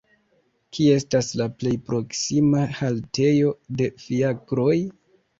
Kie estas la plej proksima haltejo de fiakroj!